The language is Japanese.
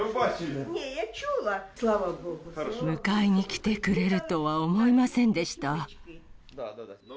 迎えに来てくれるとは思いませんでした。